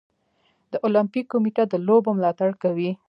د المپیک کمیټه د لوبو ملاتړ کوي.